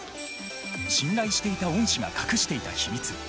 信頼していた恩師が隠していた秘密。